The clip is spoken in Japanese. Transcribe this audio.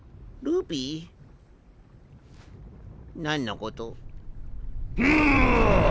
何のこと？